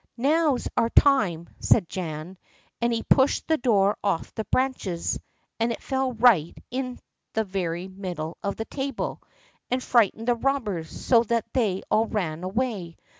"Now's our time," said Jan, and he pushed the door off the branches, and it fell right in the very middle of the table, and frightened the robbers so that they all ran away.